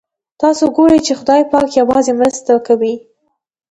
تاسو ګورئ چې خدای پاک یوازې مرسته کوي.